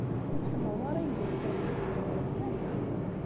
Ur tḥemmleḍ ara aydi n Farid n At Yiraten, anaɣ?